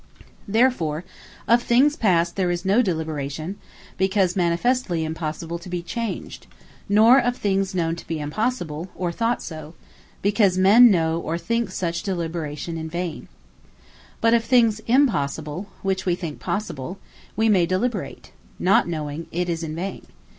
Therefore of things past, there is no Deliberation; because manifestly impossible to be changed: nor of things known to be impossible, or thought so; because men know, or think such Deliberation vaine. But of things impossible, which we think possible, we may Deliberate; not knowing it is in vain.